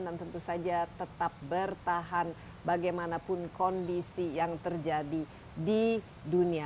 dan tentu saja tetap bertahan bagaimanapun kondisi yang terjadi di dunia